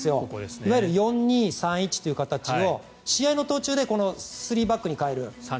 いわゆる４−２−３−１という形を試合の途中で３バックに変える。